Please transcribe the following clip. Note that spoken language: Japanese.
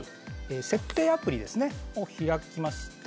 設定アプリを開きまして。